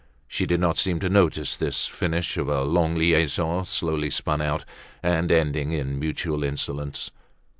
She did not seem to notice this finish of a long liaison slowly spun out, and ending in mutual insolence.